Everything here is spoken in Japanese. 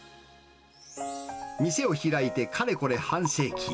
店を開いてかれこれ半世紀。